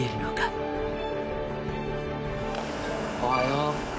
おはよう。